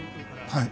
はい。